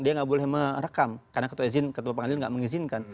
dia nggak boleh merekam karena ketua pengadilan tidak mengizinkan